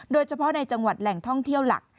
โดยเฉพาะในจังหวัดแหล่งท่องเที่ยวหลัก